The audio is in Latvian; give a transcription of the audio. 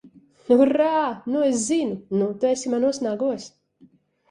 Urā! Nu es zinu! Nu tu esi manos nagos!